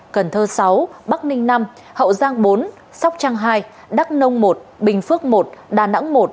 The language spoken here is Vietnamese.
cần thơ sáu bắc ninh năm hậu giang bốn sóc trăng hai đắk nông một bình phước một đà nẵng một